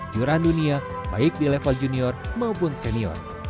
juran dunia baik di level junior maupun senior